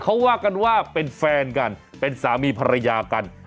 เขาว่ากันว่าเป็นแฟนกันเป็นสามีภรรยากัน